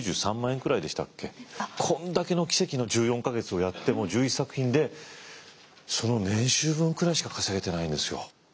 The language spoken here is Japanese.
こんだけの奇跡の１４か月をやっても１１作品でその年収分くらいしか稼げてないんですよ。